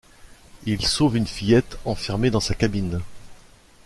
Il sauve une fillette enfermée dans sa cabine.